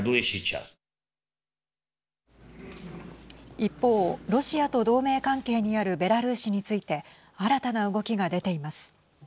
一方、ロシアと同盟関係にあるベラルーシについて新たな動きが出ています。